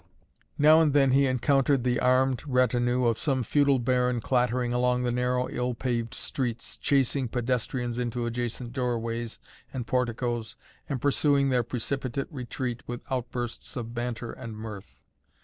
Now and then he encountered the armed retinue of some feudal baron clattering along the narrow ill paved streets, chasing pedestrians into adjacent doorways and porticoes and pursuing their precipitate retreat with outbursts of banter and mirth.